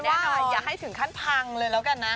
เอาเป็นว่าอยากให้ถึงขั้นพังเลยแล้วกันนะ